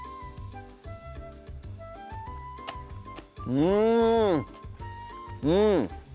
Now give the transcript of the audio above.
うんうん